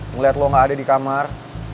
ngeliat lo gak ada di kamar